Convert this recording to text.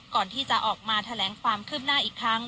ก่อนที่จะออกมาแถลงความคืบหน้าอีกครั้ง